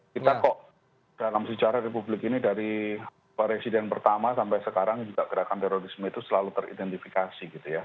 kita kok dalam sejarah republik ini dari residen pertama sampai sekarang juga gerakan terorisme itu selalu teridentifikasi gitu ya